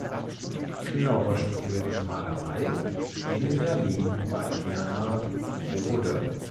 Knorre studierte Malerei in Berlin bei Bernhard Rode.